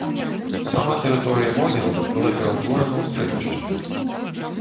Сама тэрыторыя могілак была пераўтворана ў стрэльбішча.